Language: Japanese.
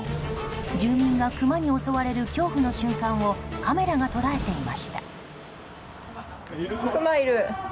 住人がクマに襲われる恐怖の瞬間をカメラが捉えていました。